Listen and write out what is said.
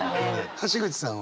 橋口さんは？